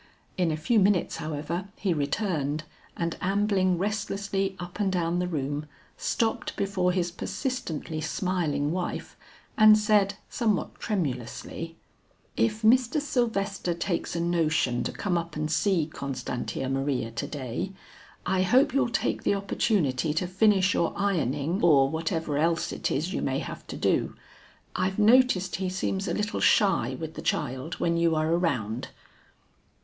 In a few minutes, however, he returned, and ambling restlessly up and down the room, stopped before his persistently smiling wife and said somewhat tremulously: "If Mr. Sylvester takes a notion to come up and see Constantia Maria to day, I hope you'll take the opportunity to finish your ironing or whatever else it is you may have to do. I've noticed he seems a little shy with the child when you are around."